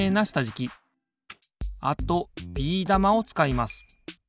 あとビー玉をつかいます。